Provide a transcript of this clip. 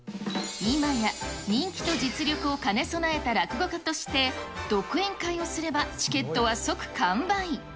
いまや、人気と実力を兼ね備えた落語家として、独演会をすればチケットは即完売。